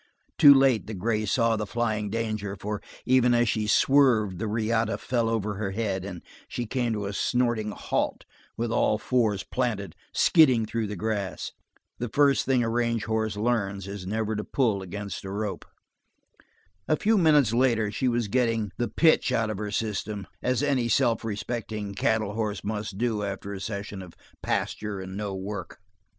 Too late the gray saw the flying danger, for even as she swerved the riata fell over her head, and she came to a snorting halt with all fours planted, skidding through the grass. The first thing a range horse learns is never to pull against a rope. A few minutes later she was getting the "pitch" out of her system, as any self respecting cattle horse must do after a session of pasture and no work.